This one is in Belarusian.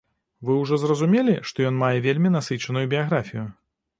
Вы ўжо зразумелі, што ён мае вельмі насычаную біяграфію.